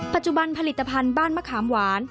ปัจจุบันผลิตภัณฑ์บ้านมะขามหวาน